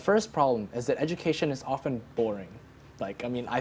masalah pertama adalah pendidikan tersebut sering terlalu membosankan